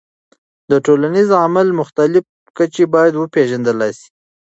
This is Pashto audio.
د ټولنیز عمل مختلف کچې باید وپیژندل سي.